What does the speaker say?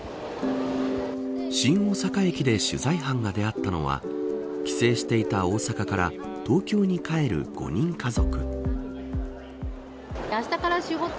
新大阪駅で取材班が出会ったのは帰省していた大阪から東京に帰る５人家族。